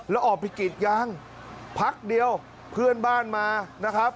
แล้วออกพิกิจยังพักเดียวเพื่อนบ้านมานะครับ